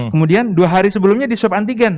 kemudian dua hari sebelumnya di swab antigen